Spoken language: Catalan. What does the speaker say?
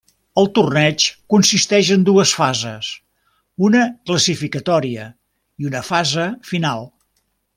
El torneig consisteix en dues fases: una classificatòria i una fase final.